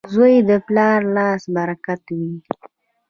• زوی د پلار د لاس برکت وي.